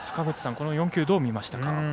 この４球、どう見ましたか？